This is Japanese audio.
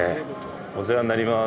お世話になります。